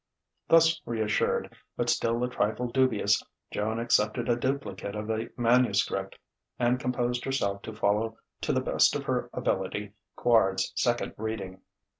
Thus reassured, but still a trifle dubious, Joan accepted a duplicate of the manuscript, and composed herself to follow to the best of her ability Quard's second reading.